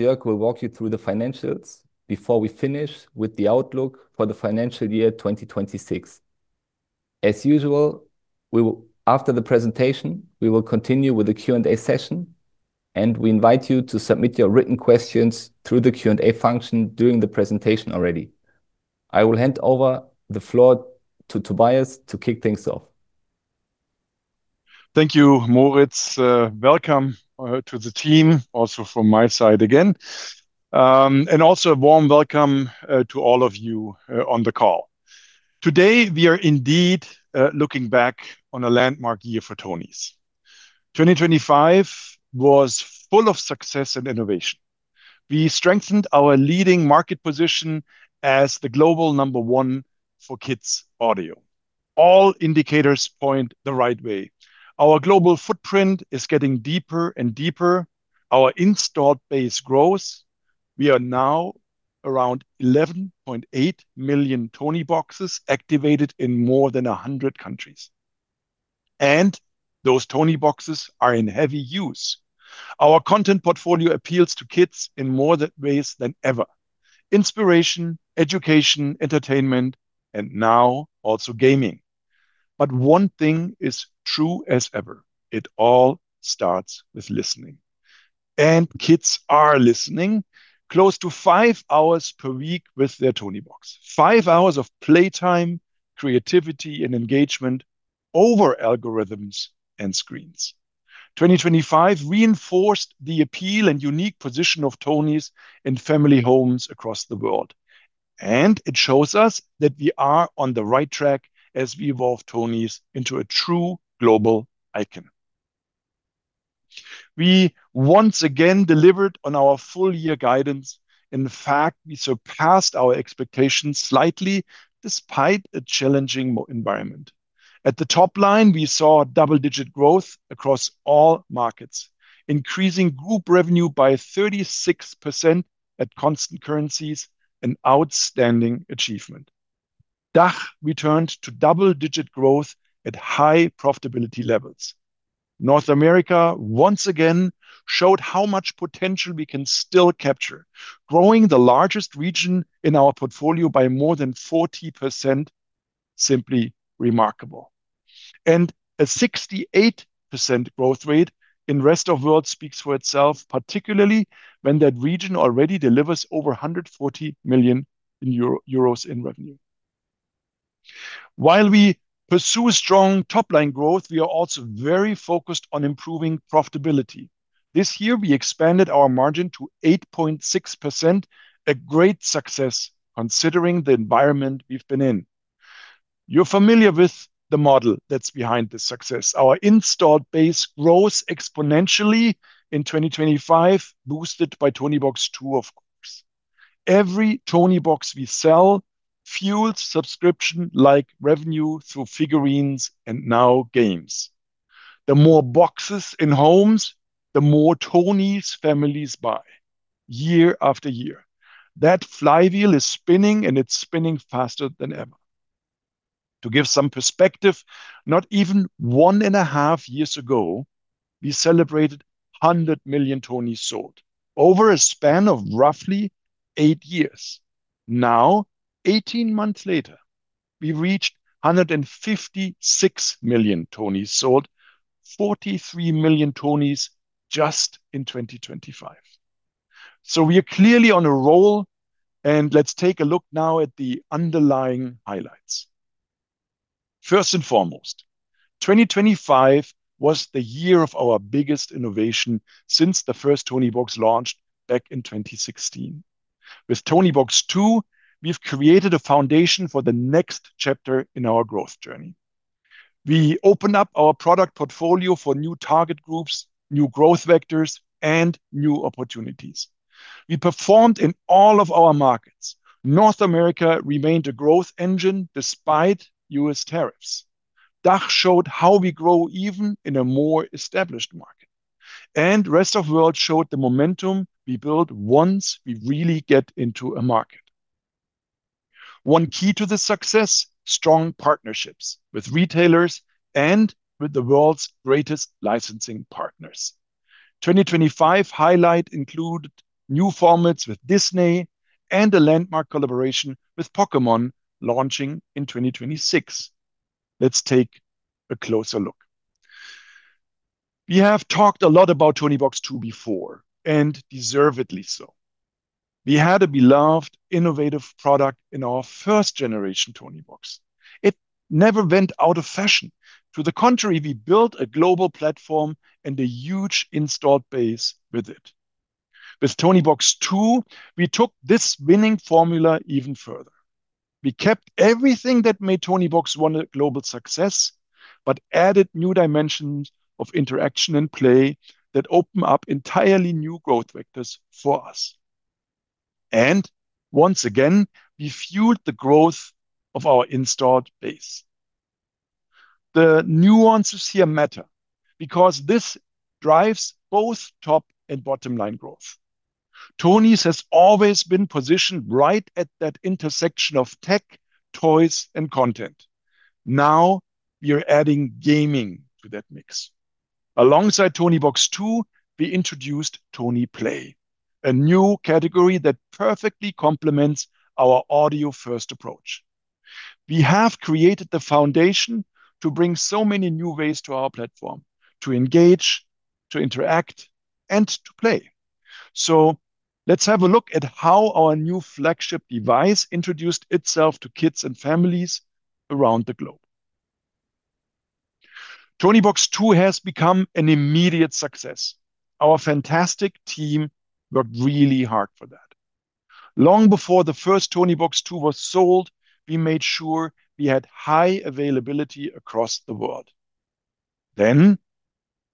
Jörg will walk you through the financials before we finish with the outlook for the financial year 2026. As usual, after the presentation, we will continue with the Q&A session, and we invite you to submit your written questions through the Q&A function during the presentation already. I will hand over the floor to Tobias to kick things off. Thank you, Moritz. Welcome to the team also from my side again. Also a warm welcome to all of you on the call. Today, we are indeed looking back on a landmark year for Tonies. 2025 was full of success and innovation. We strengthened our leading market position as the global number one for kids' audio. All indicators point the right way. Our global footprint is getting deeper and deeper. Our installed base grows. We are now around 11.8 million Tonieboxes activated in more than 100 countries. Those Tonieboxes are in heavy use. Our content portfolio appeals to kids in more ways than ever, inspiration, education, entertainment, and now also gaming. One thing is true as ever. It all starts with listening. Kids are listening close to five hours per week with their Toniebox, five hours of playtime, creativity, and engagement over algorithms and screens. 2025 reinforced the appeal and unique position of Tonies in family homes across the world. It shows us that we are on the right track as we evolve Tonies into a true global icon. We once again delivered on our full-year guidance. In fact, we surpassed our expectations slightly despite a challenging environment. At the top line, we saw double-digit growth across all markets, increasing group revenue by 36% at constant currencies, an outstanding achievement. DACH returned to double-digit growth at high profitability levels. North America, once again, showed how much potential we can still capture, growing the largest region in our portfolio by more than 40%. Simply remarkable. A 68% growth rate in Rest of World speaks for itself, particularly when that region already delivers over 140 million euro in revenue. While we pursue strong top-line growth, we are also very focused on improving profitability. This year, we expanded our margin to 8.6%, a great success considering the environment we've been in. You're familiar with the model that's behind this success. Our installed base grows exponentially in 2025, boosted by Toniebox 2, of course. Every Toniebox we sell fuels subscription-like revenue through figurines and now games. The more boxes in homes, the more Tonies families buy year after year. That flywheel is spinning, and it's spinning faster than ever. To give some perspective, not even 1.5 years ago, we celebrated 100 million Tonies sold over a span of roughly eight years. Now, 18 months later, we reached 156 million Tonies sold. 43 million Tonies just in 2025. We are clearly on a roll, and let's take a look now at the underlying highlights. First and foremost, 2025 was the year of our biggest innovation since the first Toniebox launched back in 2016. With Toniebox 2, we've created a foundation for the next chapter in our growth journey. We opened up our product portfolio for new target groups, new growth vectors, and new opportunities. We performed in all of our markets. North America remained a growth engine despite U.S. tariffs. DACH showed how we grow even in a more established market. Rest of World showed the momentum we build once we really get into a market. One key to the success, strong partnerships with retailers and with the world's greatest licensing partners. 2025 highlight include new formats with Disney and a landmark collaboration with Pokémon launching in 2026. Let's take a closer look. We have talked a lot about Toniebox 2 before, and deservedly so. We had a beloved, innovative product in our first-generation Toniebox. It never went out of fashion. To the contrary, we built a global platform and a huge installed base with it. With Toniebox 2, we took this winning formula even further. We kept everything that made Toniebox 1 a global success, but added new dimensions of interaction and play that open up entirely new growth vectors for us. Once again, we fueled the growth of our installed base. The nuances here matter because this drives both top and bottom-line growth. Tonies has always been positioned right at that intersection of tech, toys and content. Now we are adding gaming to that mix. Alongside Toniebox 2, we introduced Tonieplay, a new category that perfectly complements our audio-first approach. We have created the foundation to bring so many new ways to our platform to engage, to interact, and to play. Let's have a look at how our new flagship device introduced itself to kids and families around the globe. Toniebox 2 has become an immediate success. Our fantastic team worked really hard for that. Long before the first Toniebox 2 was sold, we made sure we had high availability across the world.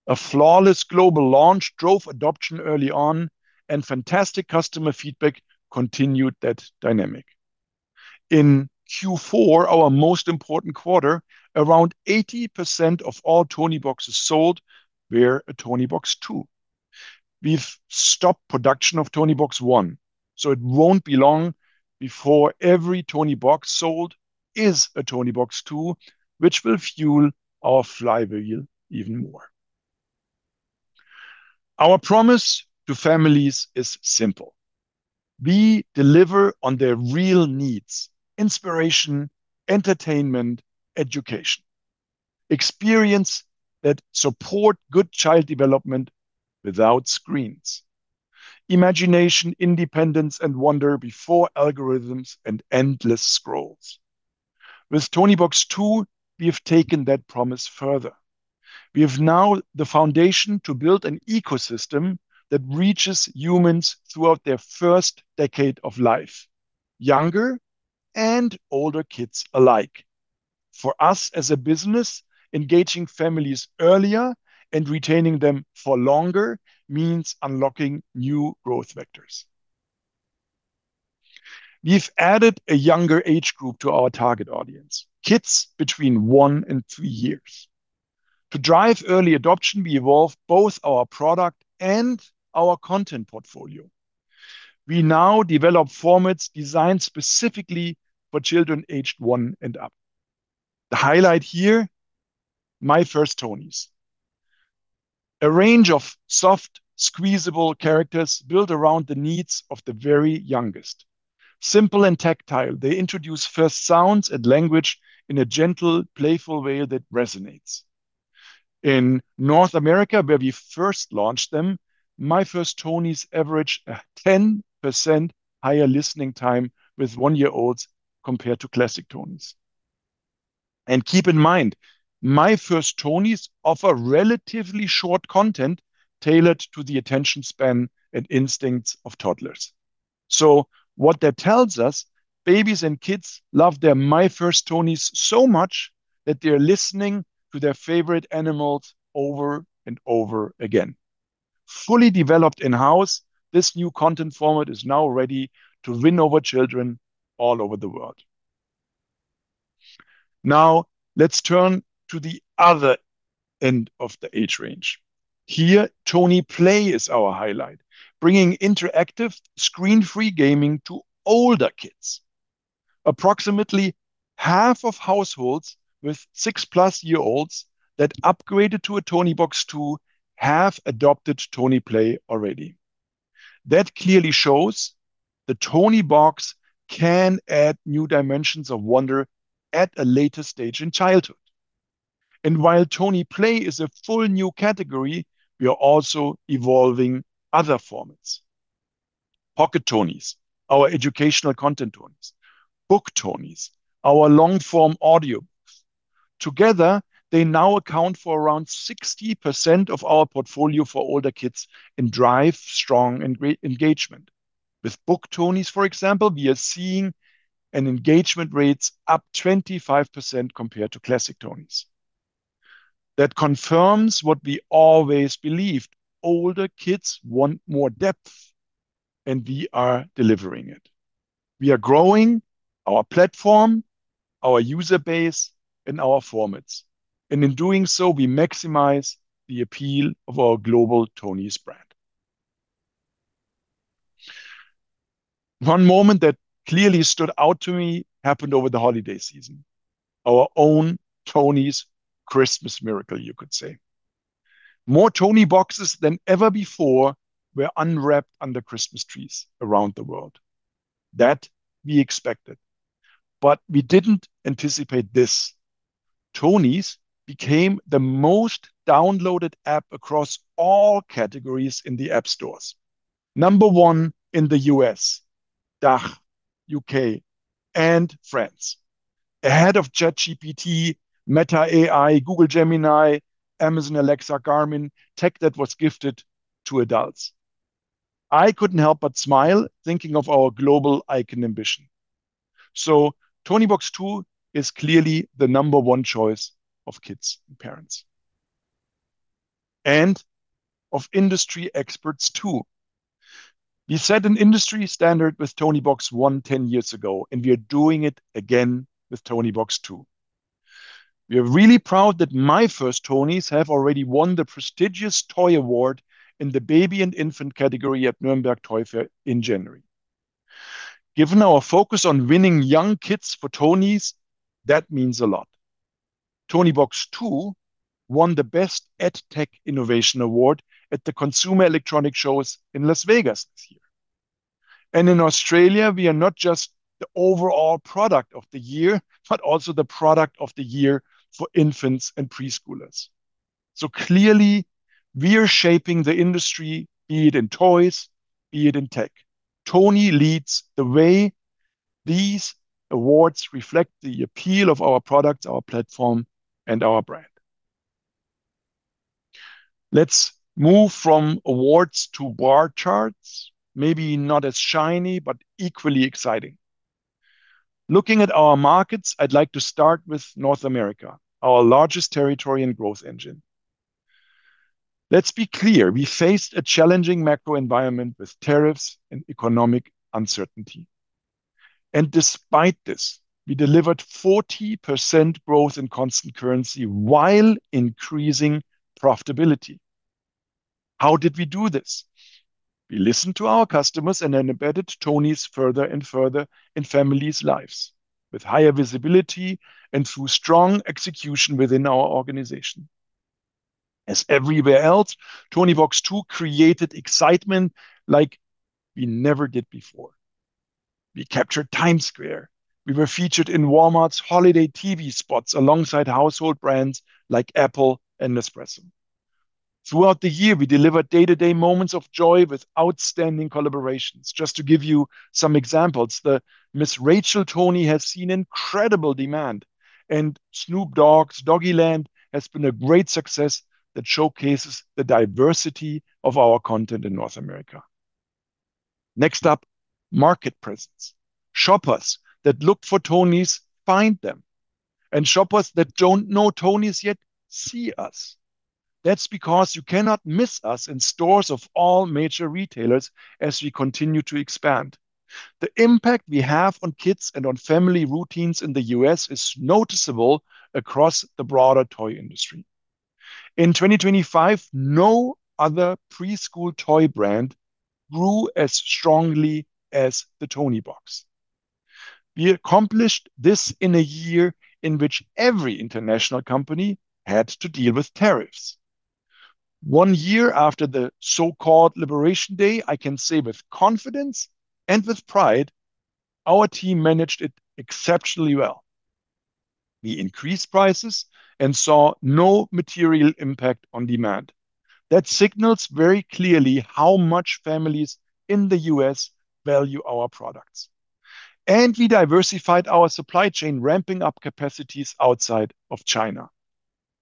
A flawless global launch drove adoption early on, and fantastic customer feedback continued that dynamic. In Q4, our most important quarter, around 80% of all Tonieboxes sold were a Toniebox 2. We've stopped production of Toniebox 1, so it won't be long before every Toniebox sold is a Toniebox 2, which will fuel our flywheel even more. Our promise to families is simple. We deliver on their real needs, inspiration, entertainment, education, experience that support good child development without screens, imagination, independence, and wonder before algorithms and endless scrolls. With Toniebox 2, we have taken that promise further. We have now the foundation to build an ecosystem that reaches humans throughout their first decade of life, younger and older kids alike. For us as a business, engaging families earlier and retaining them for longer means unlocking new growth vectors. We've added a younger age group to our target audience, kids between one and three years. To drive early adoption, we evolve both our product and our content portfolio. We now develop formats designed specifically for children aged one and up, the highlight here, My First Tonies, a range of soft, squeezable characters built around the needs of the very youngest. Simple and tactile, they introduce first sounds and language in a gentle, playful way that resonates. In North America, where we first launched them, My First Tonies average a 10% higher listening time with one-year-olds compared to classic Tonies. Keep in mind, My First Tonies offer relatively short content tailored to the attention span and instincts of toddlers. What that tells us, babies and kids love their My First Tonies so much that they're listening to their favorite animals over and over again. Fully developed in-house, this new content format is now ready to win over children all over the world. Now, let's turn to the other end of the age range. Here, Tonieplay is our highlight, bringing interactive screen-free gaming to older kids. Approximately half of households with six-plus-year-olds that upgraded to a Toniebox 2 have adopted Tonieplay already. That clearly shows the Toniebox can add new dimensions of wonder at a later stage in childhood. While Tonieplay is a full new category, we are also evolving other formats, Pocket Tonies, our educational content Tonies, Book Tonies, our long-form audiobooks. Together, they now account for around 60% of our portfolio for older kids and drive strong engagement. With Book Tonies, for example, we are seeing an engagement rates up 25% compared to classic Tonies. That confirms what we always believed. Older kids want more depth, and we are delivering it. We are growing our platform, our user base, and our formats. In doing so, we maximize the appeal of our global Tonies brand. One moment that clearly stood out to me happened over the holiday season, our own Tonies Christmas miracle, you could say. More Tonieboxes than ever before were unwrapped under Christmas trees around the world. That we expected, but we didn't anticipate this. Tonies became the most downloaded app across all categories in the app stores. Number one in the U.S., DACH, U.K., and France. Ahead of ChatGPT, Meta AI, Google Gemini, Amazon Alexa, Garmin, tech that was gifted to adults. I couldn't help but smile thinking of our global icon ambition. Toniebox 2 is clearly the number one choice of kids and parents, and of industry experts, too. We set an industry standard with Toniebox 1 10 years ago, and we are doing it again with Toniebox 2. We are really proud that My First Tonies have already won the prestigious toy award in the baby and infant category at Nuremberg Toy Fair in January. Given our focus on winning young kids for Tonies, that means a lot. Toniebox 2 won the Best EdTech Innovation Award at the Consumer Electronics Show in Las Vegas this year. In Australia, we are not just the overall product of the year, but also the product of the year for infants and preschoolers. Clearly, we are shaping the industry, be it in toys, be it in tech. Tonies leads the way. These awards reflect the appeal of our product, our platform, and our brand. Let's move from awards to bar charts. Maybe not as shiny, but equally exciting. Looking at our markets, I'd like to start with North America, our largest territory and growth engine. Let's be clear, we faced a challenging macro environment with tariffs and economic uncertainty. Despite this, we delivered 40% growth in constant currency while increasing profitability. How did we do this? We listened to our customers and then embedded Tonies further and further in families' lives, with higher visibility and through strong execution within our organization. As everywhere else, Toniebox 2 created excitement like we never did before. We captured Times Square. We were featured in Walmart's holiday TV spots alongside household brands like Apple and Nespresso. Throughout the year, we delivered day-to-day moments of joy with outstanding collaborations. Just to give you some examples, the Ms. Rachel Tonie has seen incredible demand, and Snoop Dogg's Doggyland has been a great success that showcases the diversity of our content in North America. Next up, market presence. Shoppers that look for Tonies find them, and shoppers that don't know Tonies yet see us. That's because you cannot miss us in stores of all major retailers as we continue to expand. The impact we have on kids and on family routines in the U.S. is noticeable across the broader toy industry. In 2025, no other preschool toy brand grew as strongly as the Toniebox. We accomplished this in a year in which every international company had to deal with tariffs. One year after the so-called Liberation Day, I can say with confidence and with pride, our team managed it exceptionally well. We increased prices and saw no material impact on demand. That signals very clearly how much families in the U.S. value our products. We diversified our supply chain, ramping up capacities outside of China.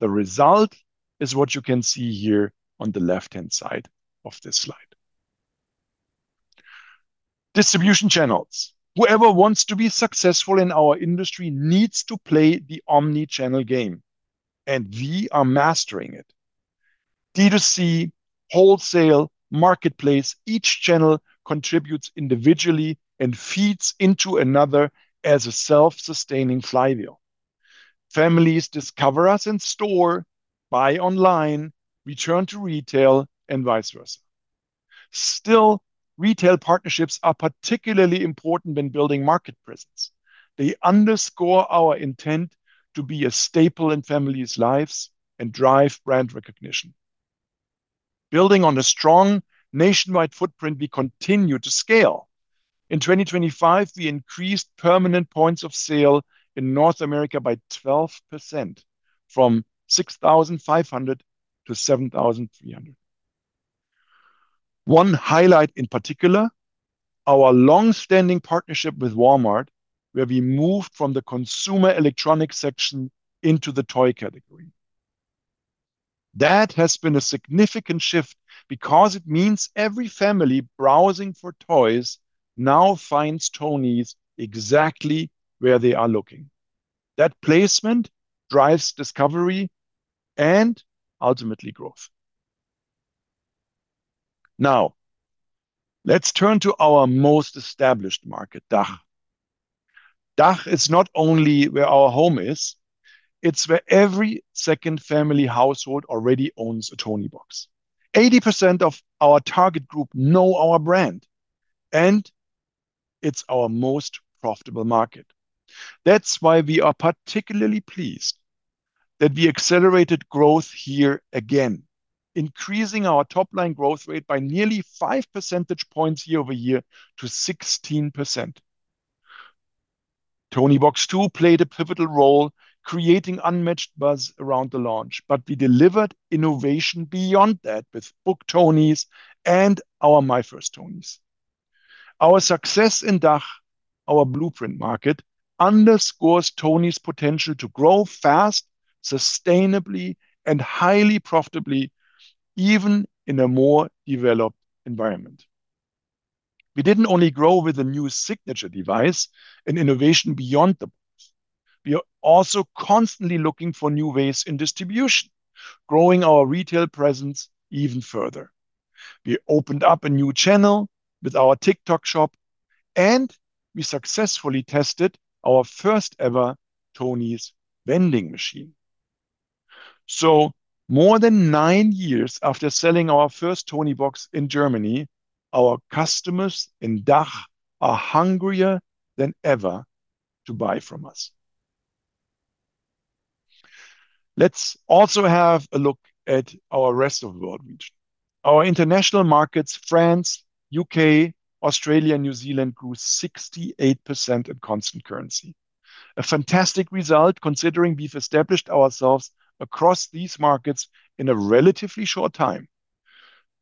The result is what you can see here on the left-hand side of this slide, distribution channels. Whoever wants to be successful in our industry needs to play the omni-channel game, and we are mastering it. D2C, wholesale, marketplace, each channel contributes individually and feeds into another as a self-sustaining flywheel. Families discover us in store, buy online, return to retail, and vice versa. Still, retail partnerships are particularly important when building market presence. They underscore our intent to be a staple in families' lives and drive brand recognition. Building on a strong nationwide footprint, we continue to scale. In 2025, we increased permanent points of sale in North America by 12%, from 6,500 to 7,300. One highlight in particular, our long-standing partnership with Walmart, where we moved from the consumer electronics section into the toy category. That has been a significant shift because it means every family browsing for toys now finds Tonies exactly where they are looking. That placement drives discovery and ultimately growth. Now, let's turn to our most established market, DACH. DACH is not only where our home is, it's where every second family household already owns a Toniebox. 80% of our target group know our brand, and it's our most profitable market. That's why we are particularly pleased that we accelerated growth here again, increasing our top-line growth rate by nearly 5 percentage points year-over-year to 16%. Toniebox 2 played a pivotal role, creating unmatched buzz around the launch. We delivered innovation beyond that with Book Tonies and our My First Tonies. Our success in DACH, our blueprint market, underscores Tonies' potential to grow fast, sustainably, and highly profitably, even in a more developed environment. We didn't only grow with a new signature device and innovation beyond the box. We are also constantly looking for new ways in distribution, growing our retail presence even further. We opened up a new channel with our TikTok Shop. We successfully tested our first ever Tonies vending machine. More than nine years after selling our first Toniebox in Germany, our customers in DACH are hungrier than ever to buy from us. Let's also have a look at our Rest of World region. Our international markets, France, U.K., Australia, and New Zealand, grew 68% in constant currency. A fantastic result considering we've established ourselves across these markets in a relatively short time.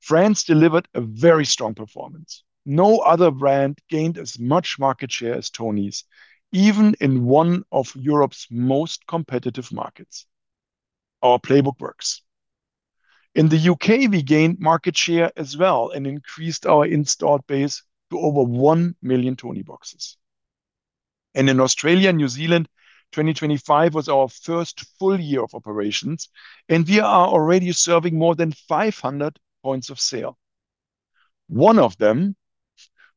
France delivered a very strong performance. No other brand gained as much market share as Tonies, even in one of Europe's most competitive markets. Our playbook works. In the U.K., we gained market share as well and increased our installed base to over 1 million Tonieboxes. In Australia and New Zealand, 2025 was our first full year of operations, and we are already serving more than 500 points of sale. One of them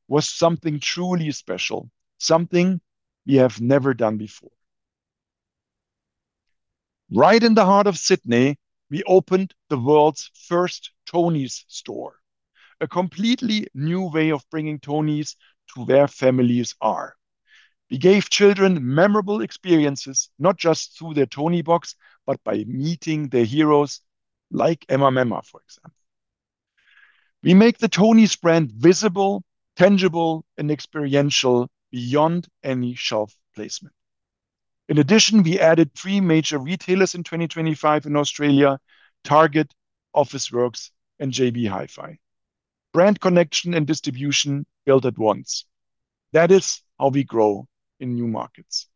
was something truly special, something we have never done before. Right in the heart of Sydney, we opened the world's first Tonies store, a completely new way of bringing Tonies to where families are. We gave children memorable experiences, not just through their Toniebox, but by meeting their heroes, like Emma Memma, for example. We make the Tonies brand visible, tangible, and experiential beyond any shelf placement. In addition, we added three major retailers in 2025 in Australia, Target, Officeworks, and JB Hi-Fi, brand connection and distribution built at once. That is how we grow in new markets.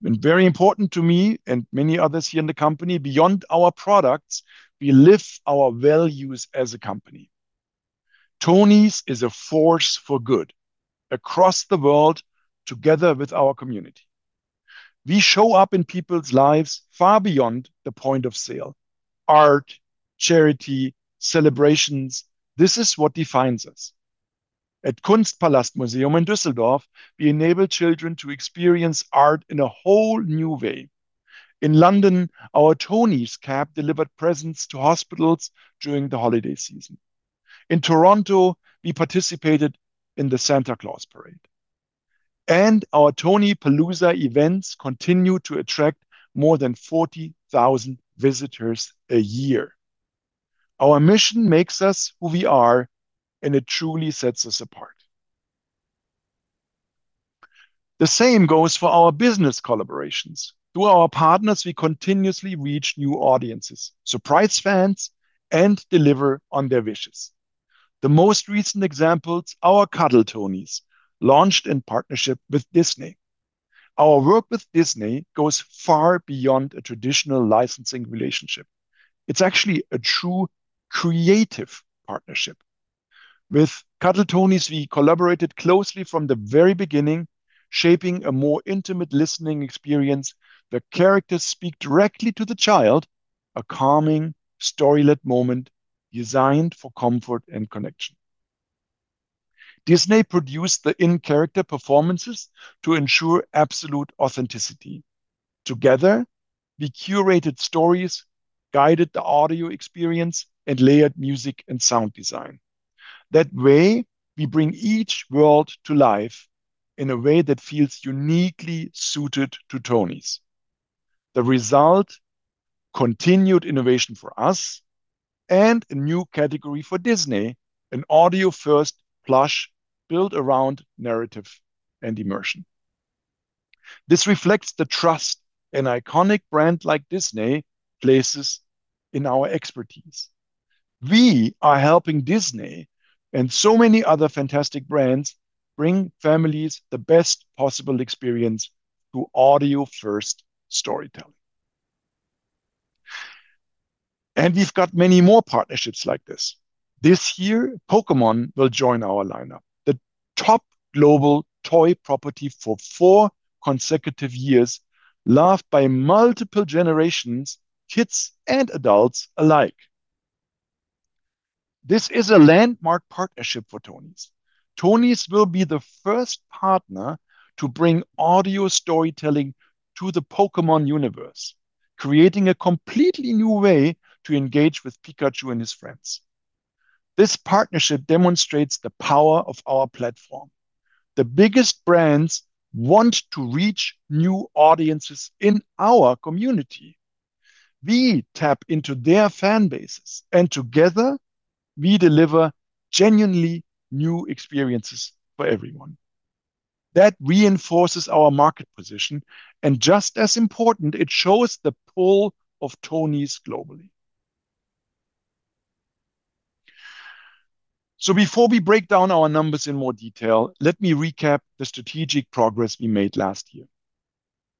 Very important to me and many others here in the company, beyond our products, we live our values as a company. Tonies is a force for good across the world, together with our community. We show up in people's lives far beyond the point of sale, art, charity, celebrations. This is what defines us. At Kunstpalast Museum in Düsseldorf, we enable children to experience art in a whole new way. In London, our Tonies cab delivered presents to hospitals during the holiday season. In Toronto, we participated in the Santa Claus Parade. Our Toniepalooza events continue to attract more than 40,000 visitors a year. Our mission makes us who we are, and it truly sets us apart. The same goes for our business collaborations. Through our partners, we continuously reach new audiences, surprise fans, and deliver on their wishes. The most recent examples, our Cuddle Tonies, launched in partnership with Disney. Our work with Disney goes far beyond a traditional licensing relationship. It's actually a true creative partnership. With Cuddle Tonies, we collaborated closely from the very beginning, shaping a more intimate listening experience. The characters speak directly to the child, a calming, story-led moment designed for comfort and connection. Disney produced the in-character performances to ensure absolute authenticity. Together, we curated stories, guided the audio experience, and layered music and sound design. That way, we bring each world to life in a way that feels uniquely suited to Tonies. The result, continued innovation for us and a new category for Disney, an audio-first plush built around narrative and immersion. This reflects the trust an iconic brand like Disney places in our expertise. We are helping Disney and so many other fantastic brands bring families the best possible experience through audio-first storytelling. We've got many more partnerships like this. This year, Pokémon will join our lineup, the top global toy property for four consecutive years, loved by multiple generations, kids and adults alike. This is a landmark partnership for Tonies. Tonies will be the first partner to bring audio storytelling to the Pokémon universe, creating a completely new way to engage with Pikachu and his friends. This partnership demonstrates the power of our platform. The biggest brands want to reach new audiences in our community. We tap into their fan bases, and together, we deliver genuinely new experiences for everyone. That reinforces our market position, and just as important, it shows the pull of Tonies globally. Before we break down our numbers in more detail, let me recap the strategic progress we made last year.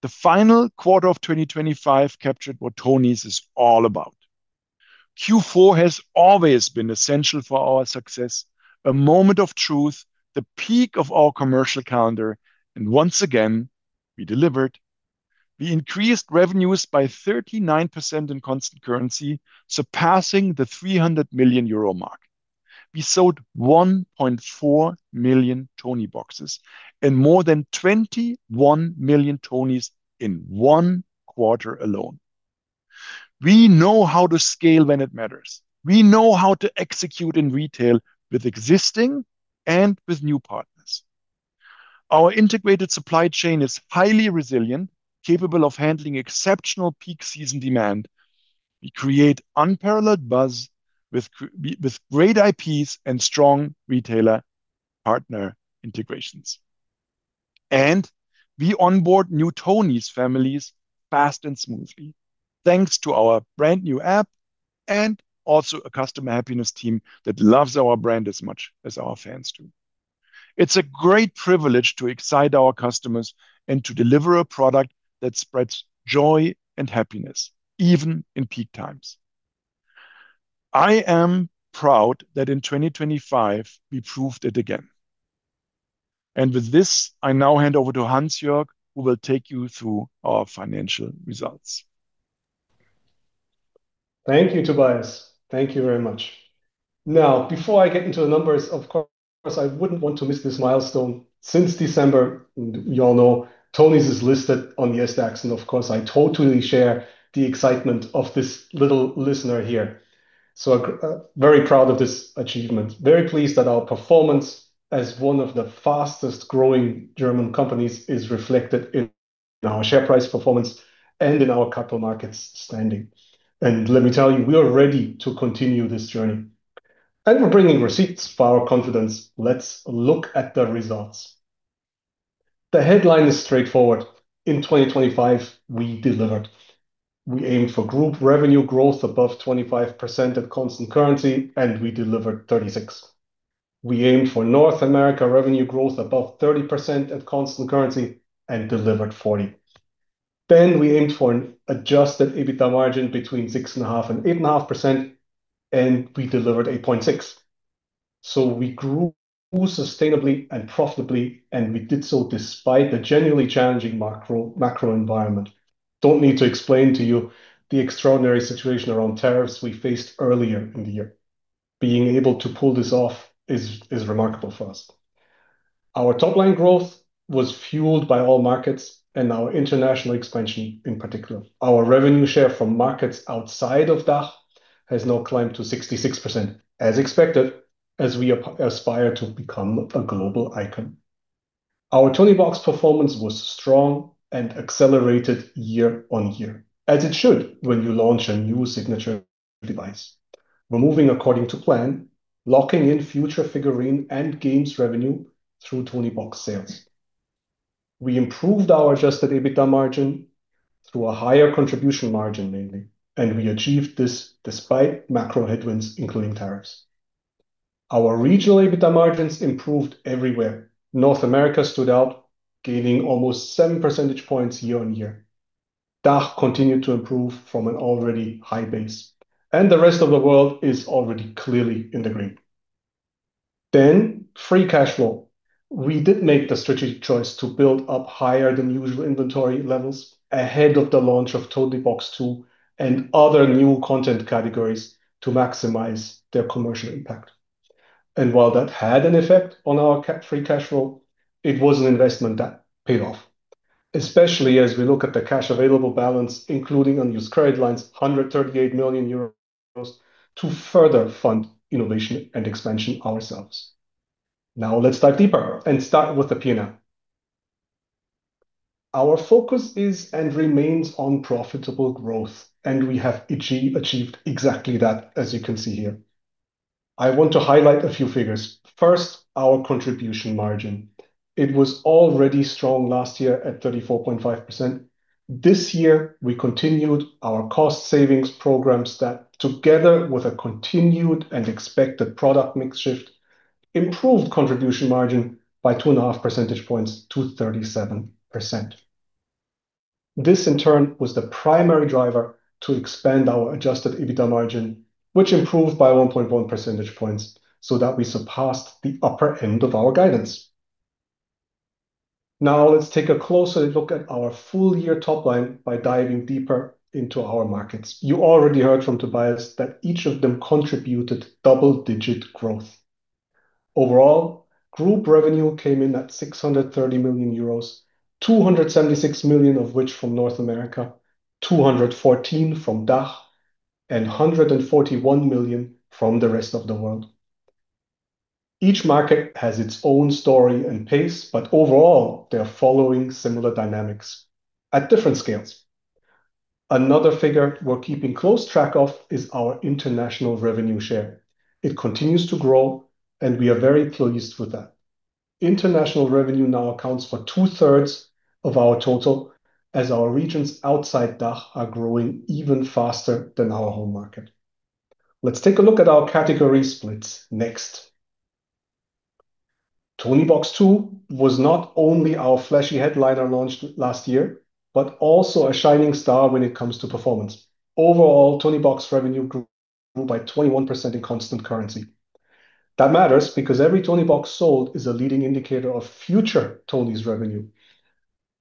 The final quarter of 2025 captured what Tonies is all about. Q4 has always been essential for our success, a moment of truth, the peak of our commercial calendar, and once again, we delivered. We increased revenues by 39% in constant currency, surpassing the 300 million euro mark. We sold 1.4 million Tonieboxes and more than 21 million Tonies in one quarter alone. We know how to scale when it matters. We know how to execute in retail with existing and with new partners. Our integrated supply chain is highly resilient, capable of handling exceptional peak season demand. We create unparalleled buzz with great IPs and strong retailer partner integrations. We onboard new Tonies families fast and smoothly, thanks to our brand new app and also a customer happiness team that loves our brand as much as our fans do. It's a great privilege to excite our customers and to deliver a product that spreads joy and happiness, even in peak times. I am proud that in 2025, we proved it again. With this, I now hand over to Hansjörg, who will take you through our financial results. Thank you, Tobias. Thank you very much. Now, before I get into the numbers, of course, I wouldn't want to miss this milestone. Since December, you all know Tonies is listed on the SDAX, and of course, I totally share the excitement of this little listener here. Very proud of this achievement. Very pleased that our performance as one of the fastest growing German companies is reflected in our share price performance and in our capital markets standing. Let me tell you, we are ready to continue this journey, and we're bringing receipts for our confidence. Let's look at the results. The headline is straightforward. In 2025, we delivered. We aimed for group revenue growth above 25% at constant currency, and we delivered 36%. We aimed for North America revenue growth above 30% at constant currency and delivered 40%. We aimed for an adjusted EBITDA margin between 6.5% and 8.5%, and we delivered 8.6%. We grew sustainably and profitably, and we did so despite a genuinely challenging macro environment. We don't need to explain to you the extraordinary situation around tariffs we faced earlier in the year. Being able to pull this off is remarkable for us. Our top-line growth was fueled by all markets and our international expansion in particular. Our revenue share from markets outside of DACH has now climbed to 66%, as expected, as we aspire to become a global icon. Our Toniebox performance was strong and accelerated year-on-year, as it should when you launch a new signature device. We're moving according to plan, locking in future figurine and games revenue through Toniebox sales. We improved our adjusted EBITDA margin through a higher contribution margin mainly, and we achieved this despite macro headwinds, including tariffs. Our regional EBITDA margins improved everywhere. North America stood out, gaining almost 7 percentage points year-on-year. DACH continued to improve from an already high base, and the rest of the world is already clearly in the green. Free cash flow. We did make the strategic choice to build up higher than usual inventory levels ahead of the launch of Toniebox 2 and other new content categories to maximize their commercial impact. While that had an effect on our free cash flow, it was an investment that paid off, especially as we look at the cash available balance, including unused credit lines, 138 million euros, to further fund innovation and expansion ourselves. Now let's dive deeper and start with the P&L. Our focus is and remains on profitable growth, and we have achieved exactly that, as you can see here. I want to highlight a few figures, first, our contribution margin. It was already strong last year at 34.5%. This year, we continued our cost savings programs that, together with a continued and expected product mix shift, improved contribution margin by 2.5 percentage points to 37%. This, in turn, was the primary driver to expand our adjusted EBITDA margin, which improved by 1.1 percentage points so that we surpassed the upper end of our guidance. Now let's take a closer look at our full year top line by diving deeper into our markets. You already heard from Tobias that each of them contributed double-digit growth. Overall, Group revenue came in at 630 million euros, 276 million of which from North America, 214 from DACH, and 141 million from the rest of the world. Each market has its own story and pace, but overall, they're following similar dynamics at different scales. Another figure we're keeping close track of is our international revenue share. It continues to grow, and we are very pleased with that. International revenue now accounts for 2/3 of our total as our regions outside DACH are growing even faster than our home market. Let's take a look at our category splits next. Toniebox 2 was not only our flashy headliner launched last year, but also a shining star when it comes to performance. Overall, Toniebox revenue grew by 21% in constant currency. That matters because every Toniebox sold is a leading indicator of future Tonies revenue.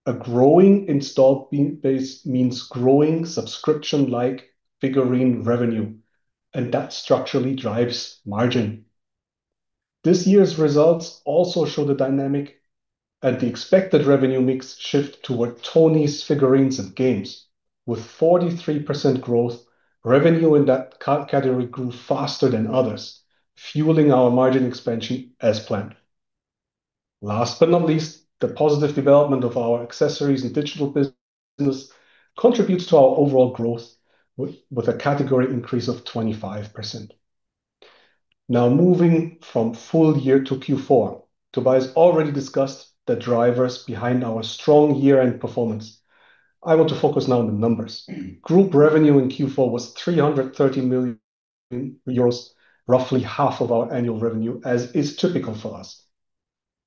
A growing installed base means growing subscription-like figurine revenue, and that structurally drives margin. This year's results also show the dynamic and the expected revenue mix shift toward Tonies figurines and games. With 43% growth, revenue in that category grew faster than others, fueling our margin expansion as planned. Last but not least, the positive development of our accessories and digital business contributes to our overall growth with a category increase of 25%. Now moving from full year to Q4, Tobias already discussed the drivers behind our strong year-end performance. I want to focus now on the numbers. Group revenue in Q4 was 330 million euros, roughly half of our annual revenue, as is typical for us.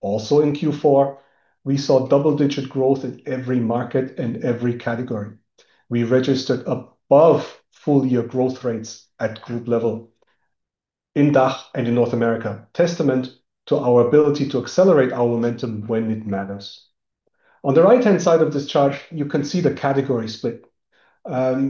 Also in Q4, we saw double-digit growth in every market and every category. We registered above full-year growth rates at group level in DACH and in North America, testament to our ability to accelerate our momentum when it matters. On the right-hand side of this chart, you can see the category split.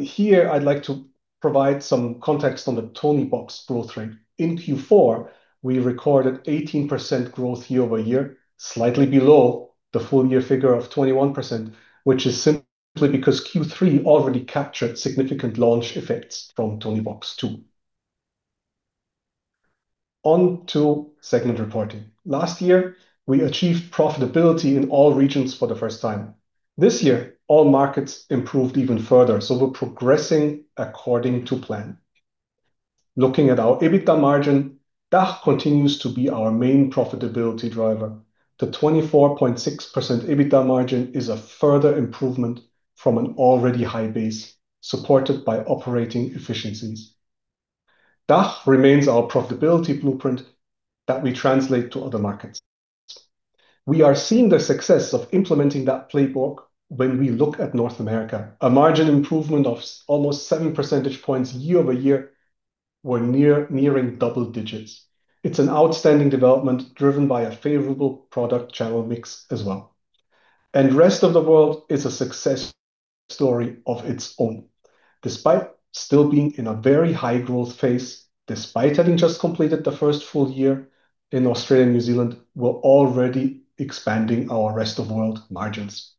Here I'd like to provide some context on the Toniebox growth rate. In Q4, we recorded 18% growth year-over-year, slightly below the full-year figure of 21%, which is simply because Q3 already captured significant launch effects from Toniebox 2. On to segment reporting. Last year, we achieved profitability in all regions for the first time. This year, all markets improved even further, so we're progressing according to plan. Looking at our EBITDA margin, DACH continues to be our main profitability driver. The 24.6% EBITDA margin is a further improvement from an already high base, supported by operating efficiencies. DACH remains our profitability blueprint that we translate to other markets. We are seeing the success of implementing that playbook when we look at North America. A margin improvement of almost 7 percentage points year-over-year, we're nearing double digits. It's an outstanding development driven by a favorable product channel mix as well. Rest of World is a success story of its own. Despite still being in a very high-growth phase, despite having just completed the first full year in Australia and New Zealand, we're already expanding our Rest of World margins.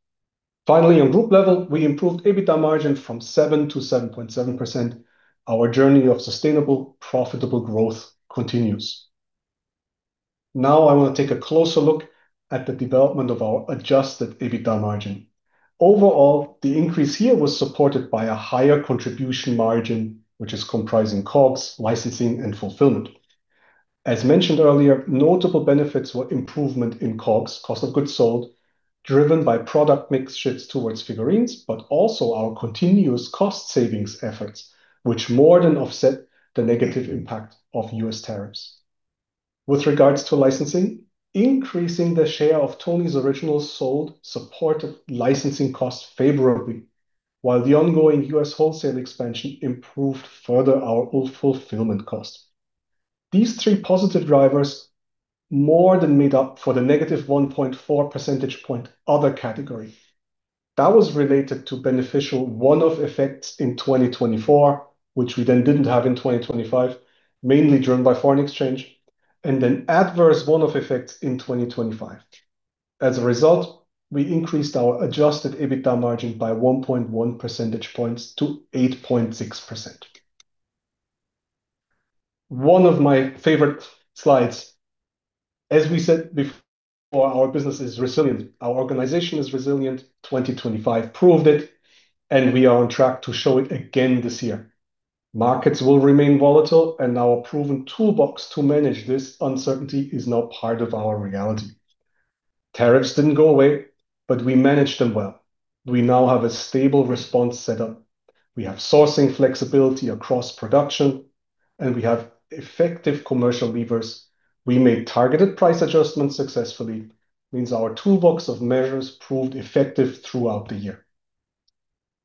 Finally, on Group level, we improved EBITDA margin from 7%-7.7%. Our journey of sustainable, profitable growth continues. Now I want to take a closer look at the development of our adjusted EBITDA margin. Overall, the increase here was supported by a higher contribution margin, which is comprising COGS, licensing, and fulfillment. As mentioned earlier, notable benefits were improvement in COGS, cost of goods sold, driven by product mix shifts towards figurines, but also our continuous cost savings efforts, which more than offset the negative impact of U.S. tariffs. With regards to licensing, increasing the share of Tonies Originals sold supported licensing costs favorably, while the ongoing U.S. wholesale expansion improved further our fulfillment cost. These three positive drivers more than made up for the -1.4 percentage point other category. That was related to beneficial one-off effects in 2024, which we then didn't have in 2025, mainly driven by foreign exchange, and then adverse one-off effects in 2025. As a result, we increased our adjusted EBITDA margin by 1.1 percentage points to 8.6%. One of my favorite slides. As we said before, our business is resilient. Our organization is resilient. 2025 proved it, and we are on track to show it again this year. Markets will remain volatile, and our proven toolbox to manage this uncertainty is now part of our reality. Tariffs didn't go away, but we managed them well. We now have a stable response set up. We have sourcing flexibility across production, and we have effective commercial levers. We made targeted price adjustments successfully, means our toolbox of measures proved effective throughout the year.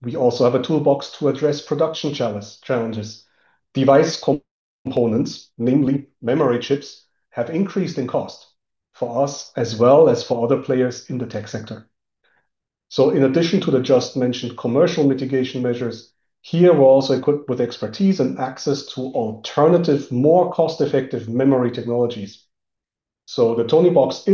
We also have a toolbox to address production challenges. Device components, namely memory chips, have increased in cost for us as well as for other players in the tech sector. In addition to the just mentioned commercial mitigation measures, here we're also equipped with expertise and access to alternative, more cost-effective memory technologies. The Toniebox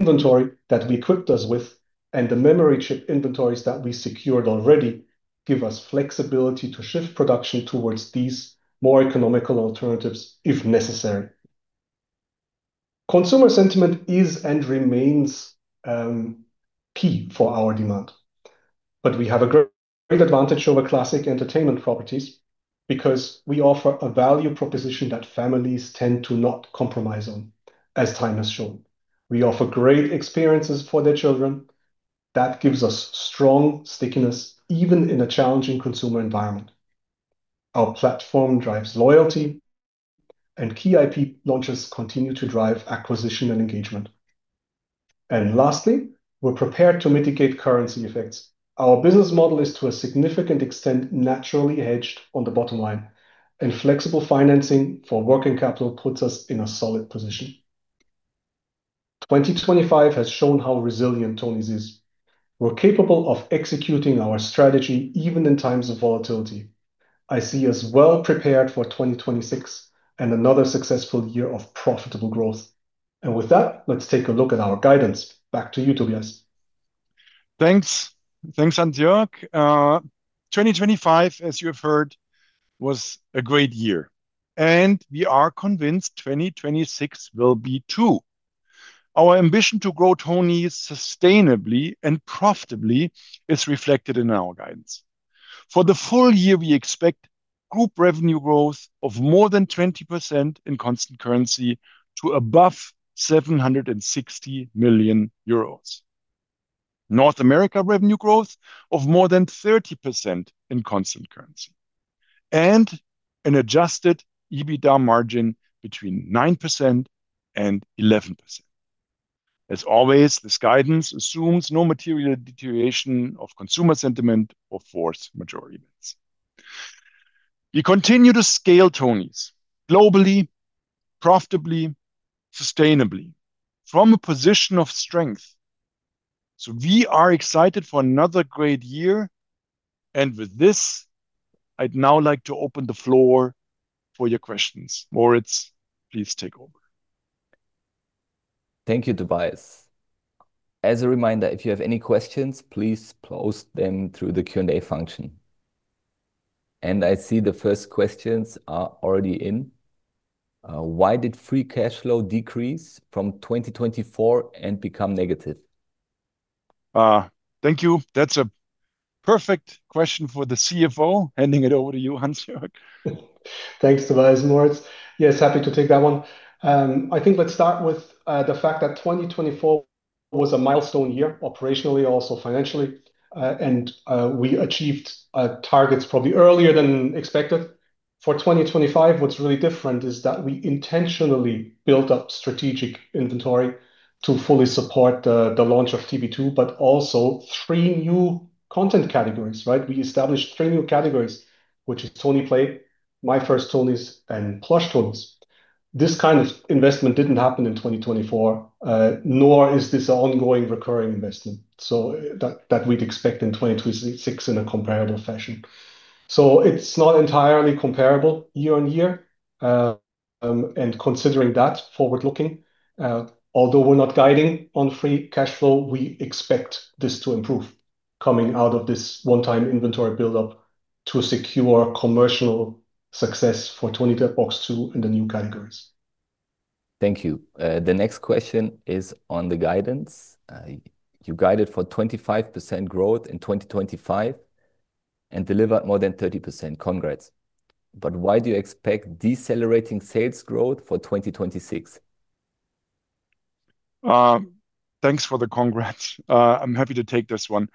inventory that we equipped us with and the memory chip inventories that we secured already give us flexibility to shift production towards these more economical alternatives if necessary. Consumer sentiment is and remains key for our demand. We have a great advantage over classic entertainment properties because we offer a value proposition that families tend to not compromise on, as time has shown. We offer great experiences for their children. That gives us strong stickiness, even in a challenging consumer environment. Our platform drives loyalty, and key IP launches continue to drive acquisition and engagement. Lastly, we're prepared to mitigate currency effects. Our business model is, to a significant extent, naturally hedged on the bottom line, and flexible financing for working capital puts us in a solid position. 2025 has shown how resilient Tonies is. We're capable of executing our strategy even in times of volatility. I see us well prepared for 2026 and another successful year of profitable growth. With that, let's take a look at our guidance. Back to you, Tobias. Thanks, Hansjörg. 2025, as you have heard, was a great year, and we are convinced 2026 will be, too. Our ambition to grow Tonies sustainably and profitably is reflected in our guidance. For the full year, we expect group revenue growth of more than 20% in constant currency to above 760 million euros, North America revenue growth of more than 30% in constant currency, and an adjusted EBITDA margin between 9% and 11%. As always, this guidance assumes no material deterioration of consumer sentiment or force majeure events. We continue to scale Tonies globally, profitably, sustainably from a position of strength. We are excited for another great year. With this, I'd now like to open the floor for your questions. Moritz, please take over. Thank you, Tobias. As a reminder, if you have any questions, please post them through the Q&A function. I see the first questions are already in. Why did free cash flow decrease from 2024 and become negative? Thank you. That's a perfect question for the CFO. Handing it over to you, Hansjörg. Thanks, Tobias and Moritz. Yes, happy to take that one. I think let's start with the fact that 2024 was a milestone year operationally, also financially, and we achieved targets probably earlier than expected. For 2025, what's really different is that we intentionally built up strategic inventory to fully support the launch of TB2, but also three new content categories, right? We established three new categories, which is Tonieplay, My First Tonies, and Plush Tonies. This kind of investment didn't happen in 2024, nor is this ongoing recurring investment that we'd expect in 2026 in a comparable fashion. It's not entirely comparable year-on-year. Considering that, forward-looking, although we're not guiding on free cash flow, we expect this to improve coming out of this one-time inventory buildup to secure commercial success for Toniebox 2 in the new categories. Thank you. The next question is on the guidance. You guided for 25% growth in 2025 and delivered more than 30%. Congrats. Why do you expect decelerating sales growth for 2026? Thanks for the congrats. I'm happy to take this one.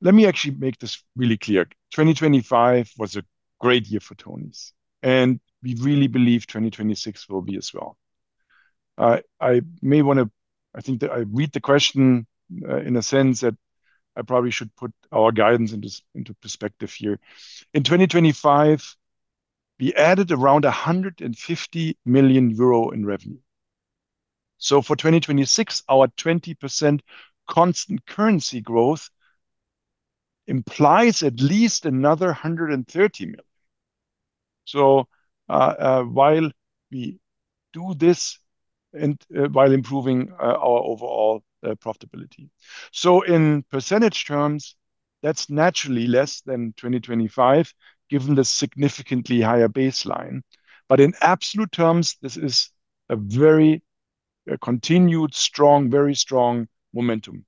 Let me actually make this really clear. 2025 was a great year for Tonies, and we really believe 2026 will be as well. I think that I read the question in a sense that I probably should put our guidance into perspective here. In 2025, we added around 150 million euro in revenue. For 2026, our 20% constant currency growth implies at least another 130 million while we do this and while improving our overall profitability. In percentage terms, that's naturally less than 2025, given the significantly higher baseline. In absolute terms, this is a very strong momentum.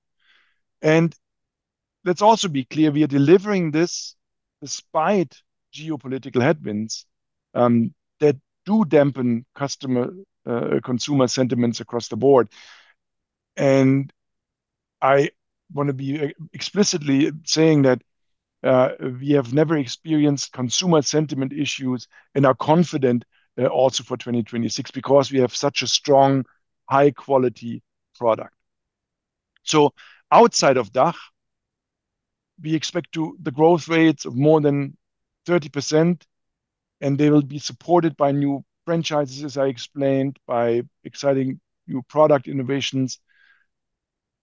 Let's also be clear, we are delivering this despite geopolitical headwinds that do dampen consumer sentiments across the board. I want to be explicitly saying that we have never experienced consumer sentiment issues and are confident also for 2026 because we have such a strong, high-quality product. Outside of DACH, we expect the growth rates of more than 30%, and they will be supported by new franchises, as I explained, by exciting new product innovations.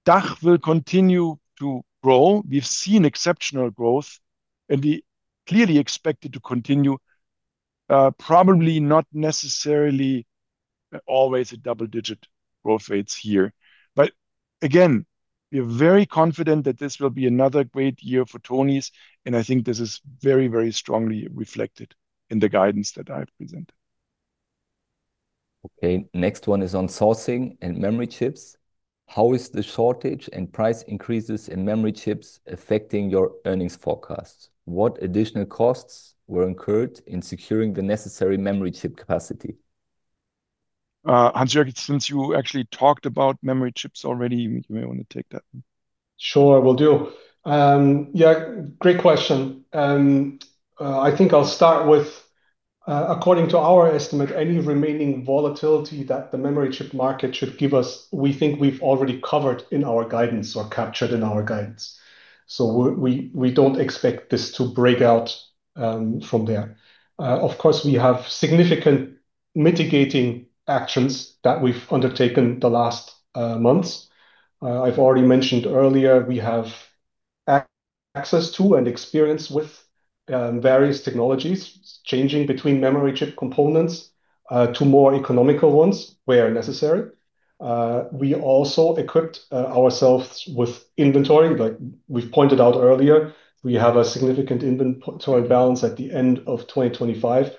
DACH will continue to grow. We've seen exceptional growth, and we clearly expect it to continue, probably not necessarily always a double-digit growth rates here. Again, we are very confident that this will be another great year for Tonies, and I think this is very, very strongly reflected in the guidance that I've presented. Okay, next one is on sourcing and memory chips. How is the shortage and price increases in memory chips affecting your earnings forecasts? What additional costs were incurred in securing the necessary memory chip capacity? Hansjörg, since you actually talked about memory chips already, you may want to take that one. Sure, will do. Yeah, great question. I think I'll start with, according to our estimate, any remaining volatility that the memory chip market should give us, we think we've already covered in our guidance or captured in our guidance. We don't expect this to break out from there. Of course, we have significant mitigating actions that we've undertaken the last months. I've already mentioned earlier. We have access to and experience with various technologies, changing between memory chip components to more economical ones where necessary. We also equipped ourselves with inventory. Like we've pointed out earlier, we have a significant inventory balance at the end of 2025.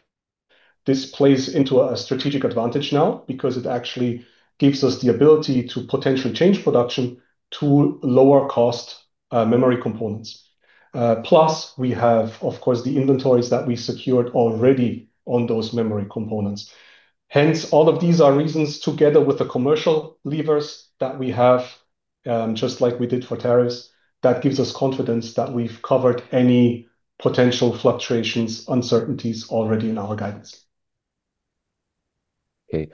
This plays into a strategic advantage now because it actually gives us the ability to potentially change production to lower-cost memory components. Plus we have, of course, the inventories that we secured already on those memory components. Hence, all of these are reasons, together with the commercial levers that we have, just like we did for tariffs, that gives us confidence that we've covered any potential fluctuations, uncertainties already in our guidance. Okay.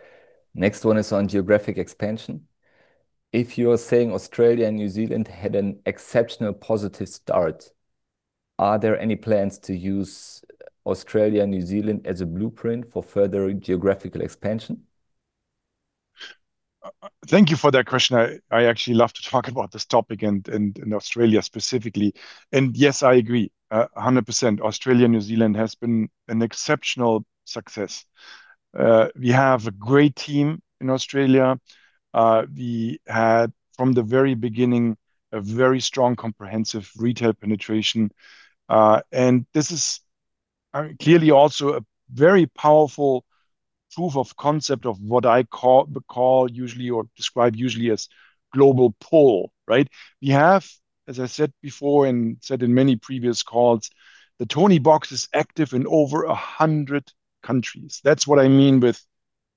Next one is on geographic expansion. If you're saying Australia and New Zealand had an exceptional positive start, are there any plans to use Australia and New Zealand as a blueprint for further geographical expansion? Thank you for that question. I actually love to talk about this topic and Australia specifically. Yes, I agree 100%. Australia and New Zealand has been an exceptional success. We have a great team in Australia. We had, from the very beginning, a very strong, comprehensive retail penetration. This is clearly also a very powerful proof of concept of what I call usually or describe usually as global pull, right? We have, as I said before and said in many previous calls, the Toniebox is active in over 100 countries. That's what I mean with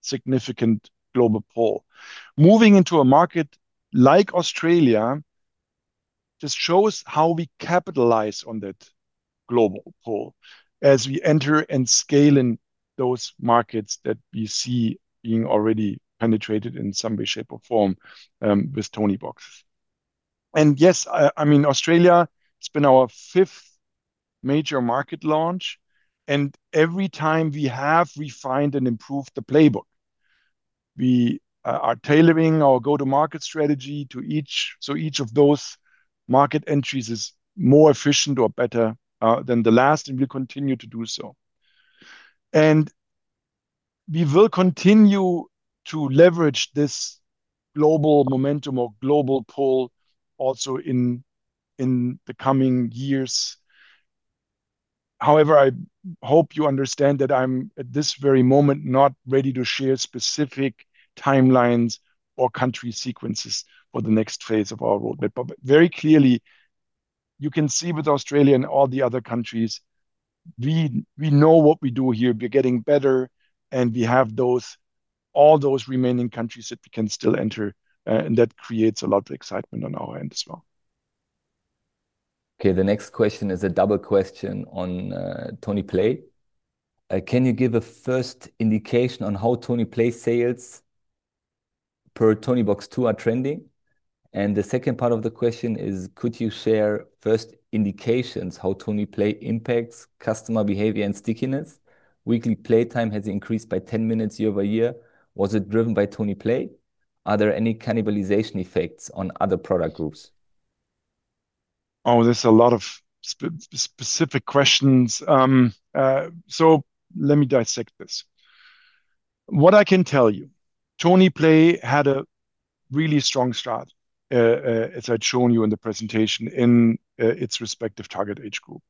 significant global pull. Moving into a market like Australia just shows how we capitalize on that global pull as we enter and scale in those markets that we see being already penetrated in some way, shape, or form with Tonieboxes. Yes, Australia, it's been our fifth major market launch, and every time we have refined and improved the playbook. We are tailoring our go-to-market strategy so each of those market entries is more efficient or better than the last, and we continue to do so. We will continue to leverage this global momentum or global pull also in the coming years. However, I hope you understand that I'm, at this very moment, not ready to share specific timelines or country sequences for the next phase of our roadmap. Very clearly, you can see with Australia and all the other countries, we know what we do here. We're getting better, and we have all those remaining countries that we can still enter, and that creates a lot of excitement on our end as well. Okay, the next question is a double question on Tonieplay. Can you give a first indication on how Tonieplay sales per Toniebox 2 are trending? The second part of the question is, could you share first indications how Tonieplay impacts customer behavior and stickiness? Weekly playtime has increased by 10 minutes year-over-year. Was it driven by Tonieplay? Are there any cannibalization effects on other product groups? There's a lot of specific questions. Let me dissect this. What I can tell you, Tonieplay had a really strong start, as I'd shown you in the presentation, in its respective target age group.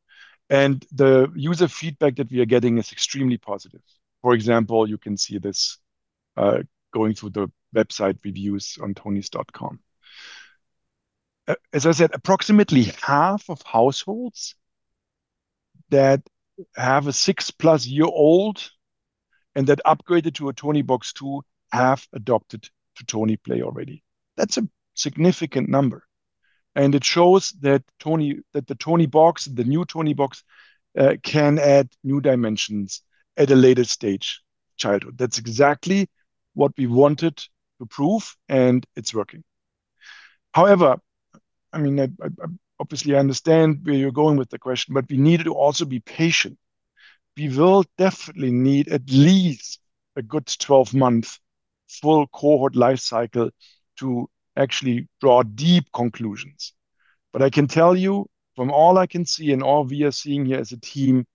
The user feedback that we are getting is extremely positive. For example, you can see this going through the website reviews on tonies.com. As I said, approximately half of households that have a six-plus-year-old and that upgraded to a Toniebox 2 have adopted to Tonieplay already. That's a significant number, and it shows that the new Toniebox can add new dimensions at a later stage childhood. That's exactly what we wanted to prove, and it's working. However, obviously I understand where you're going with the question, but we need to also be patient. We will definitely need at least a good 12-month full cohort life cycle to actually draw deep conclusions. I can tell you from all I can see and all we are seeing here as a team,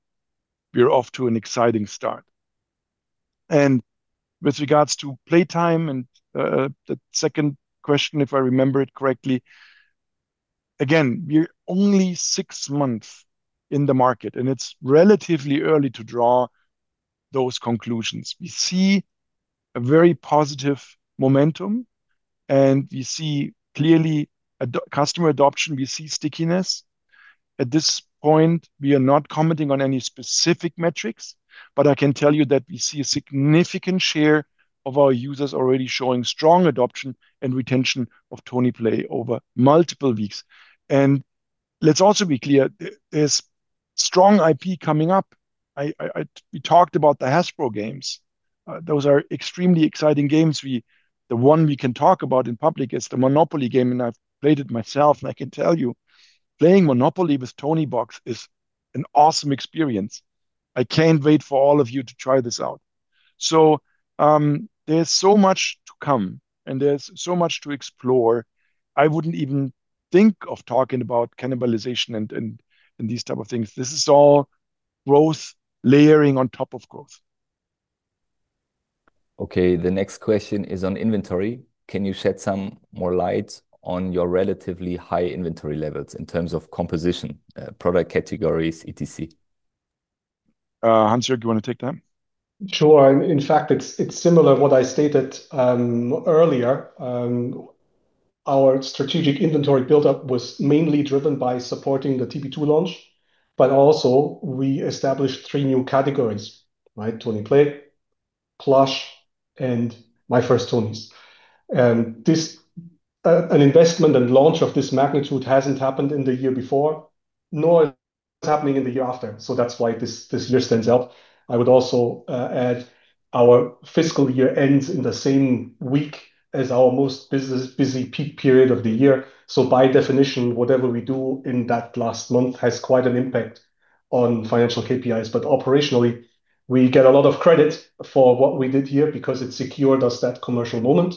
we are off to an exciting start. With regards to playtime and the second question, if I remember it correctly, again, we're only six months in the market, and it's relatively early to draw those conclusions. We see a very positive momentum, and we see clearly customer adoption. We see stickiness. At this point, we are not commenting on any specific metrics, but I can tell you that we see a significant share of our users already showing strong adoption and retention of Tonieplay over multiple weeks. Let's also be clear, there's strong IP coming up. We talked about the Hasbro games. Those are extremely exciting games. The one we can talk about in public is the Monopoly game, and I've played it myself, and I can tell you, playing Monopoly with Toniebox is an awesome experience. I can't wait for all of you to try this out. There's so much to come, and there's so much to explore. I wouldn't even think of talking about cannibalization and these type of things. This is all growth layering on top of growth. Okay, the next question is on inventory. Can you shed some more light on your relatively high inventory levels in terms of composition, product categories, etc.? Hansjörg, do you want to take that? Sure. In fact, it's similar what I stated earlier. Our strategic inventory buildup was mainly driven by supporting the TB2 launch, but also we established three new categories, Tonieplay, Plush, and My First Tonies. An investment and launch of this magnitude hasn't happened in the year before, nor is it happening in the year after. That's why this list ends up. I would also add our fiscal year ends in the same week as our most busy peak period of the year. By definition, whatever we do in that last month has quite an impact on financial KPIs. Operationally, we get a lot of credit for what we did here because it secured us that commercial moment,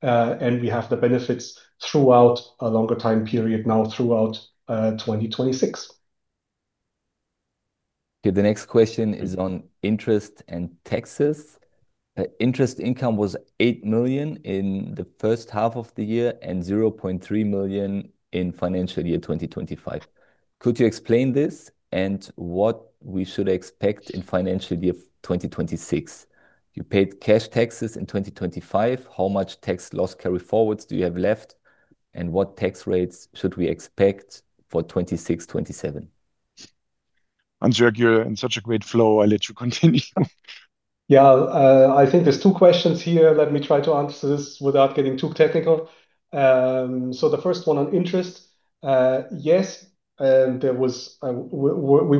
and we have the benefits throughout a longer time period now throughout 2026. Okay. The next question is on interest and taxes. Interest income was 8 million in the first half of the year and 0.3 million in financial year 2025. Could you explain this and what we should expect in financial year of 2026? You paid cash taxes in 2025. How much tax loss carry forwards do you have left? What tax rates should we expect for 2026, 2027? Hansjörg, you're in such a great flow, I'll let you continue. Yeah. I think there's two questions here. Let me try to answer this without getting too technical. The first one on interest. Yes, we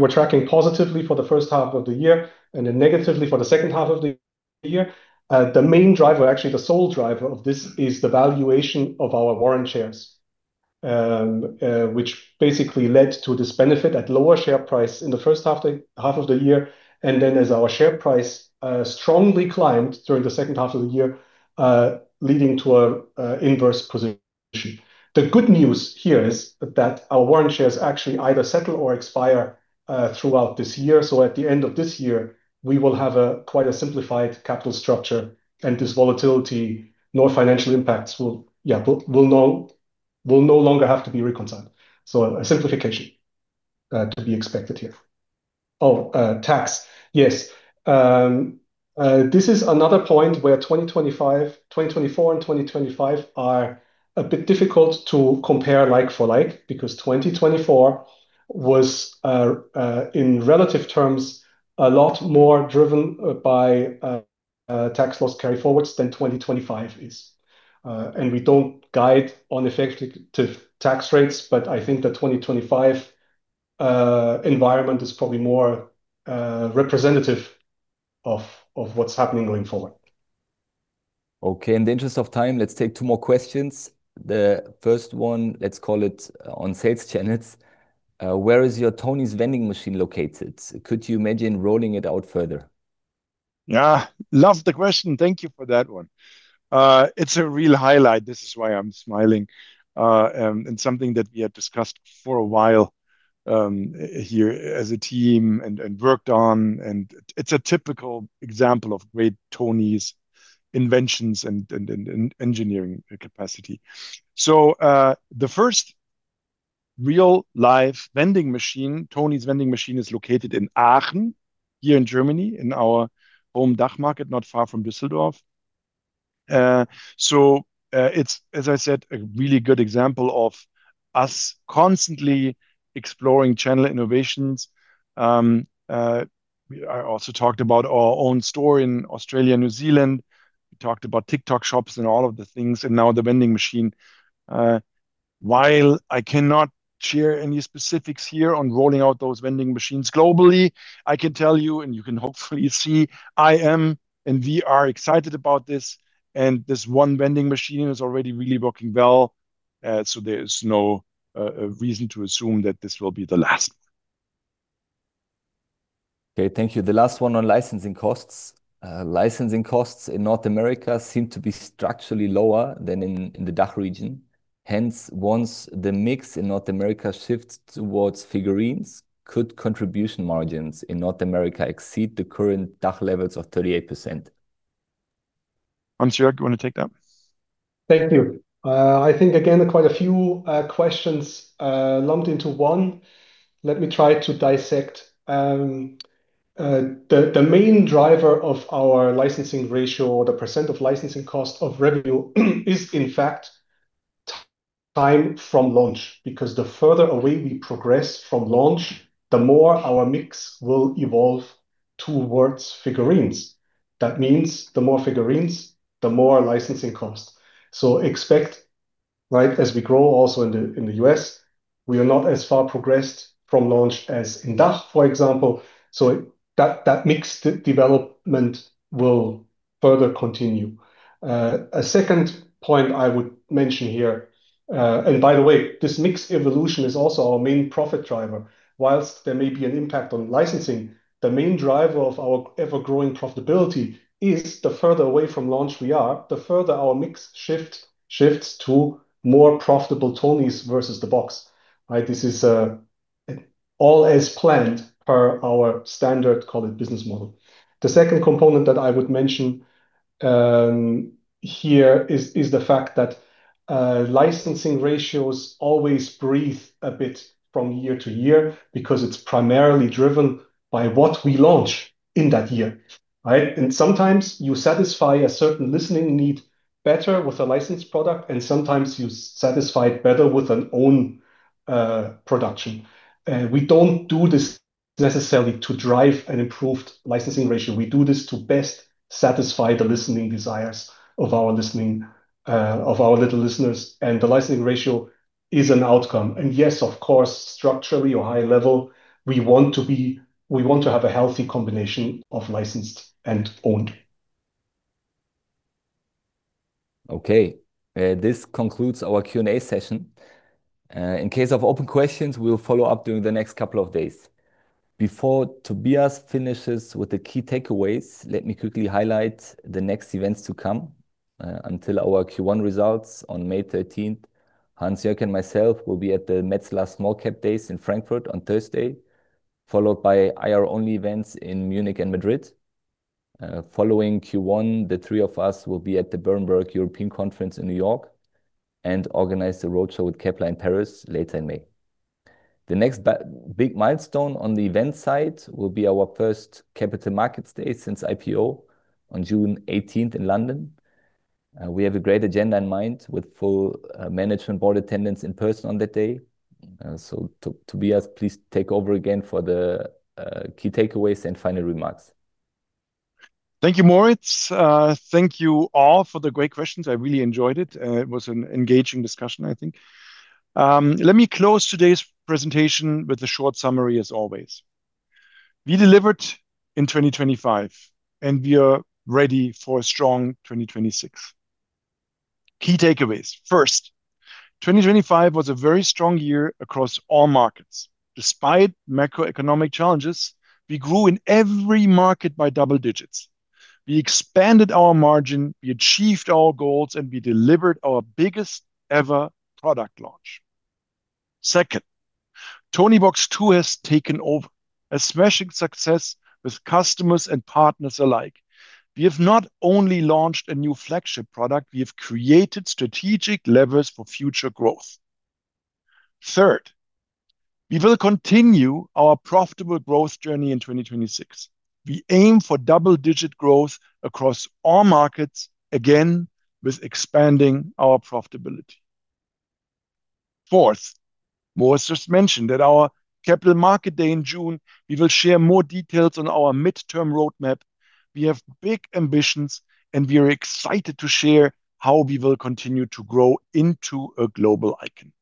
were tracking positively for the first half of the year and then negatively for the second half of the year. The main driver, actually, the sole driver of this is the valuation of our warrant shares, which basically led to this benefit at lower share price in the first half of the year, and then as our share price strongly climbed during the second half of the year, leading to an inverse position. The good news here is that our warrant shares actually either settle or expire throughout this year. At the end of this year, we will have quite a simplified capital structure, and this volatility, no financial impacts will no longer have to be reconciled. A simplification to be expected here. Oh, tax. Yes. This is another point where 2024 and 2025 are a bit difficult to compare like-for-like, because 2024 was, in relative terms, a lot more driven by tax loss carryforwards than 2025 is. We don't guide on effective tax rates, but I think the 2025 environment is probably more representative of what's happening going forward. Okay, in the interest of time, let's take two more questions. The first one, let's call it on sales channels. Where is your Tonies vending machine located? Could you imagine rolling it out further? Yeah. Love the question. Thank you for that one. It's a real highlight. This is why I'm smiling. Something that we had discussed for a while here as a team and worked on, and it's a typical example of great Tonies inventions and engineering capacity. The first real-life vending machine, Tonies vending machine is located in Aachen, here in Germany, in our home DACH market, not far from Düsseldorf. It's, as I said, a really good example of us constantly exploring channel innovations. I also talked about our own store in Australia, New Zealand. We talked about TikTok shops and all of the things, and now the vending machine. While I cannot share any specifics here on rolling out those vending machines globally, I can tell you, and you can hopefully see, I am, and we are excited about this. This one vending machine is already really working well. There is no reason to assume that this will be the last. Thank you. The last one on licensing costs. Licensing costs in North America seem to be structurally lower than in the DACH region. Hence, once the mix in North America shifts towards figurines, could contribution margins in North America exceed the current DACH levels of 38%? Hansjörg, you want to take that? Thank you. I think, again, quite a few questions lumped into one. Let me try to dissect. The main driver of our licensing ratio or the percent of licensing cost of revenue is, in fact, time from launch, because the further away we progress from launch, the more our mix will evolve towards figurines. That means the more figurines, the more licensing cost. Expect as we grow also in the U.S., we are not as far progressed from launch as in DACH, for example, so that mix development will further continue. A second point I would mention here, and by the way, this mix evolution is also our main profit driver. Whilst there may be an impact on licensing, the main driver of our ever-growing profitability is the further away from launch we are, the further our mix shifts to more profitable Tonies versus the box, right? This is all as planned per our standard, call it, business model. The second component that I would mention here is the fact that licensing ratios always breathe a bit from year to year because it's primarily driven by what we launch in that year, right? Sometimes you satisfy a certain listening need better with a licensed product, and sometimes you satisfy it better with an own production. We don't do this necessarily to drive an improved licensing ratio. We do this to best satisfy the listening desires of our little listeners, and the licensing ratio is an outcome. Yes, of course, structurally or high level, we want to have a healthy combination of licensed and owned. Okay. This concludes our Q&A session. In case of open questions, we will follow up during the next couple of days. Before Tobias finishes with the key takeaways, let me quickly highlight the next events to come. Until our Q1 results on May 13th, Hansjörg and myself will be at the Metzler Small Cap Days in Frankfurt on Thursday, followed by IR-only events in Munich and Madrid. Following Q1, the three of us will be at the Berenberg European Conference in New York and organize the roadshow with Kepler Paris later in May. The next big milestone on the event side will be our first Capital Market Day since IPO on June 18th in London. We have a great agenda in mind with full Management Board attendance in person on that day. Tobias, please take over again for the key takeaways and final remarks. Thank you, Moritz. Thank you all for the great questions. I really enjoyed it. It was an engaging discussion, I think. Let me close today's presentation with a short summary as always. We delivered in 2025, and we are ready for a strong 2026. Key takeaways. First, 2025 was a very strong year across all markets. Despite macroeconomic challenges, we grew in every market by double digits. We expanded our margin, we achieved our goals, and we delivered our biggest-ever product launch. Second, Toniebox 2 has taken over. A smashing success with customers and partners alike. We have not only launched a new flagship product, we have created strategic levers for future growth. Third, we will continue our profitable growth journey in 2026. We aim for double-digit growth across all markets, again with expanding our profitability. Fourth, Moritz just mentioned at our Capital Market Day in June, we will share more details on our midterm roadmap. We have big ambitions, and we are excited to share how we will continue to grow into a global icon.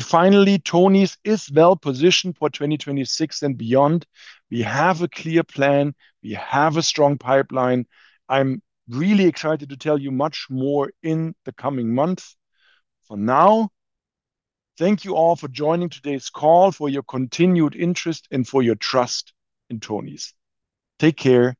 Finally, Tonies is well-positioned for 2026 and beyond. We have a clear plan. We have a strong pipeline. I'm really excited to tell you much more in the coming months. For now, thank you all for joining today's call, for your continued interest, and for your trust in Tonies. Take care. Goodbye.